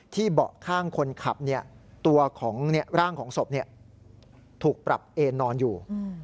เบาะข้างคนขับตัวของร่างของศพถูกปรับเอนนอนอยู่